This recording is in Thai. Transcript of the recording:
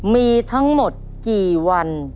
มีทั้งหมดกี่วัน